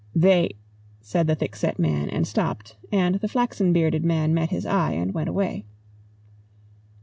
"They " said the thickset man and stopped, and the flaxen bearded man met his eye and went away.